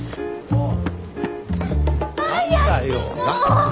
もう。